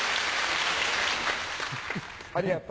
ありがとう。